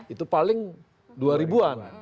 itu paling dua ribuan